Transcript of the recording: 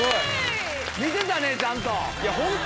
見てたねちゃんと。